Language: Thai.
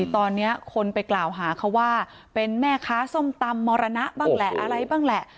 ตอนนี้คนไปกล่าวหาเขาว่าเป็นแม่ค้าส้มตำมรณะบ้างแหละอะไรบ้างแหละ